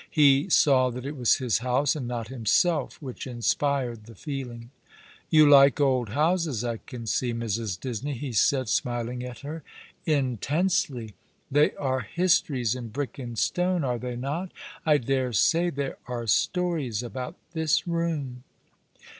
He saw that it was his house and not himself which inspired the feeling. "You like old housoa, I can see, Mrs. Disney," he said, smiling at her. "Intensely. They are histories in brick and stone, are they not ? I dare say there are stories about this room."